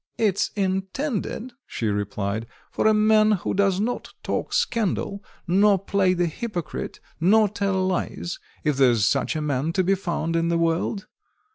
"It's intended," she replied, "for a man who does not talk scandal, nor play the hypocrite, nor tell lies, if there's such a man to be found in the world.